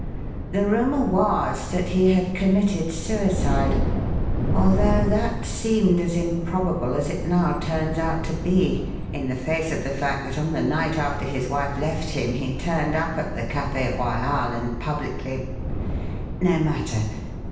The rumour was that he had committed suicide; although that seemed as improbable as it now turns out to be, in the face of the fact that on the night after his wife left him he turned up at the Café Royal and publicly No matter!